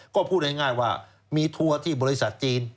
ก็พูดง่ายว่ามีทัวร์ที่บริษัทจีน